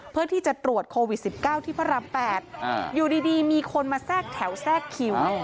เพื่อที่จะตรวจโควิด๑๙ที่พระราม๘อยู่ดีมีคนมาแทรกแถวแทรกคิว